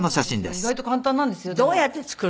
意外と簡単なんですよでも。